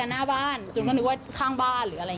นี่นี่นี่นี่นี่